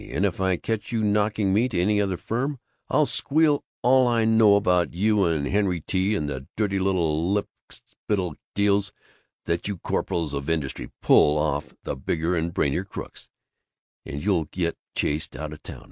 And if I catch you knocking me to any other firm, I'll squeal all I know about you and Henry T. and the dirty little lickspittle deals that you corporals of industry pull off for the bigger and brainier crooks, and you'll get chased out of town.